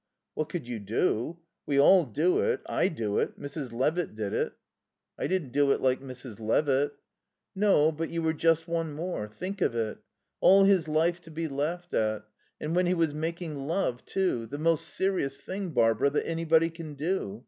"What could you do? We all do it. I do it. Mrs. Levitt did it." "I didn't do it like Mrs. Levitt." "No. But you were just one more. Think of it. All his life to be laughed at. And when he was making love, too; the most serious thing, Barbara, that anybody can do.